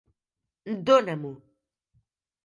Dóna-m'ho.